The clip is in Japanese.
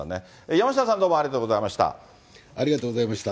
山下さん、どうもありがとうござありがとうございました。